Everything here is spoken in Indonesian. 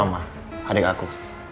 apa ma adik aku